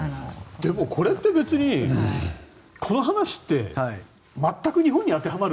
でもこれって別にこの話って全く日本に当てはまる。